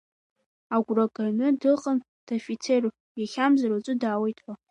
Агәра ганы дыҟан дафицеруп, иахьамзар уаҵәы даауеит ҳәа.